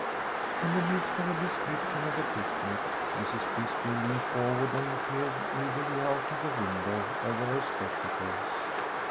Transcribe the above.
In the midst of her description of the picnic, Mrs. Bisbee leaned forward and peered eagerly out of the window over her spectacles.